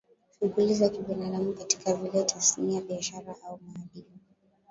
Shughuli za kibinadamu kama vile tasnia biashara au madini